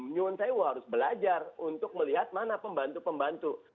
nyun sewu harus belajar untuk melihat mana pembantu pembantu